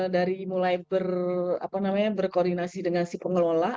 dari mulai berkoordinasi dengan si pengelola